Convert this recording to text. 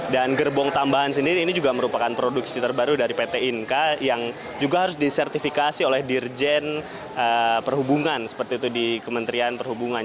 dan gerbong tambahan sendiri ini juga merupakan produksi terbaru dari pt inka yang juga harus disertifikasi oleh dirjen perhubungan seperti itu di kementerian perhubungan